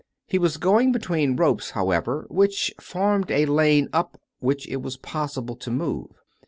He was going between ropes, how ever, which formed a lane up which it was possible to move.